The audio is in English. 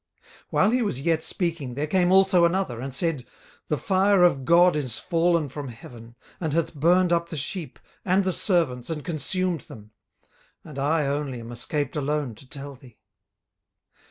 18:001:016 While he was yet speaking, there came also another, and said, The fire of God is fallen from heaven, and hath burned up the sheep, and the servants, and consumed them; and I only am escaped alone to tell thee.